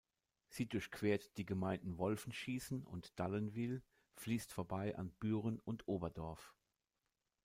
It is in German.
Sie durchquert die Gemeinden Wolfenschiessen und Dallenwil, fliesst vorbei an Büren und Oberdorf.